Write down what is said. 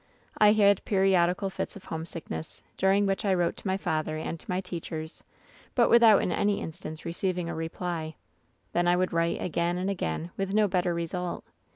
"I had periodical fits of homesickness, during which I wrote to my father and to my teachers, but without WHEN SHADOWS DIE 176 — in any instance receiving a reply. Then I would write again and again, with no better result.